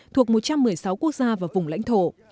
thuộc một trăm một mươi sáu quốc gia và vùng lãnh thổ